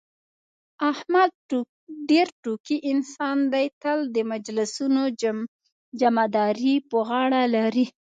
احمد ډېر ټوکي انسان دی، تل د مجلسونو جمعه داري په غاړه لري.